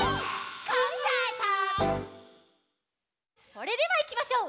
それではいきましょう！